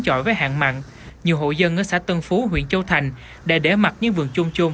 chọi với hạn mặn nhiều hộ dân ở xã tân phú huyện châu thành đã để mặt những vườn chuông chôm